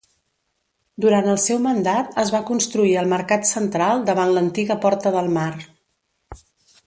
Durant el seu mandat es va construir el Mercat Central davant l'antiga Porta del Mar.